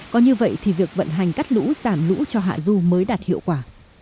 có như vậy thì việc vận hành cắt lũ giảm lũ cho hạ du mới đạt hiệu quả